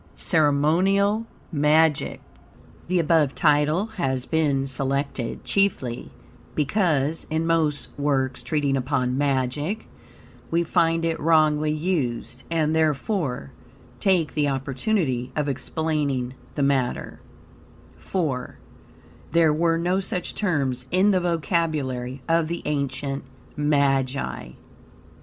CEREMONIAL MAGIC The above title has been selected, chiefly, because, in most works treating upon magic we find it wrongly used, and therefore, take the opportunity of explaining the matter, for, there were no such terms in the vocabulary of the ancient Magi.